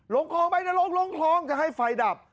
ลงคลองไปนลงคลองจะให้ไฟดับ